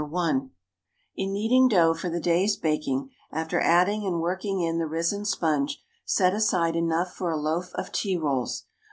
_)✠ In kneading dough for the day's baking, after adding and working in the risen sponge, set aside enough for a loaf of tea rolls.